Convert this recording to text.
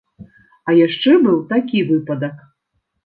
А яшчэ быў такі выпадак.